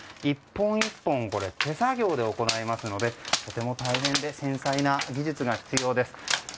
１本１本手作業で行いますのでとても大変で繊細な技術が必要です。